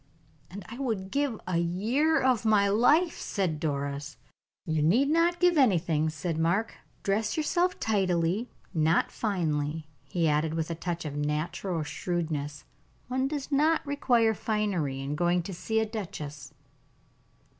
"And I would give a year of my life," said Doris. "You need not give anything," said Mark. "Dress yourself tidily, not finely," he added, with a touch of natural shrewdness. "One does not require finery in going to see a duchess."